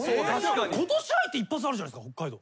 ことし入って一発あるじゃないですか北海道。